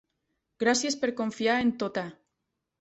Gràcies per confiar en Tot-e!